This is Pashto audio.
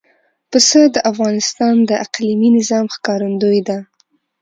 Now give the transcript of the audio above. پسه د افغانستان د اقلیمي نظام ښکارندوی ده.